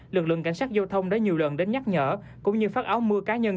lực lượng cảnh sát giao thông đã nhiều lần đến nhắc nhở cũng như phát áo mưa cá nhân